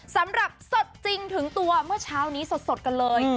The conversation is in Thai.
สำหรับสดจริงถึงตัวเมื่อเช้านี้สดกันเลย